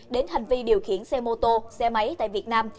đến hành vi điều khiển xe mô tô xe máy tại việt nam